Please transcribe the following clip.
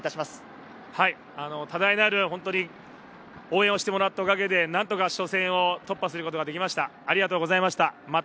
多大なる応援をしてもらったおかげで何とか初戦を突破することができました、ありがとうございました。